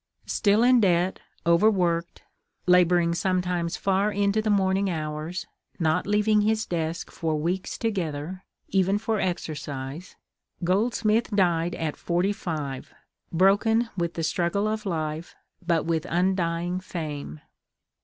Still in debt, overworked, laboring sometimes far into the morning hours, not leaving his desk for weeks together, even for exercise, Goldsmith died at forty five, broken with the struggle of life, but with undying fame.